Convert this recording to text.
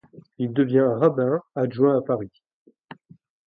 Il devient rabbin adjoint à Paris.